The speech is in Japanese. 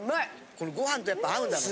このご飯とやっぱ合うんだよね。